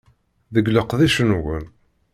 Deg leqdic-nwen.